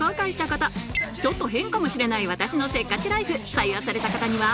採用された方には